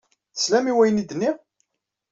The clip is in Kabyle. Teslam i wayen ay d-nniɣ?